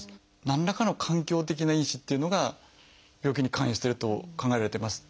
何らかの環境的な因子っていうのが病気に関与してると考えられています。